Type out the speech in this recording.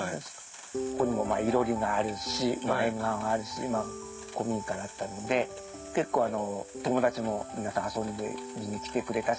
ここにも囲炉裏があるし縁側があるし古民家だったので結構友達も皆さん遊びに来てくれたし。